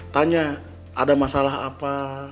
tanya ada masalah apa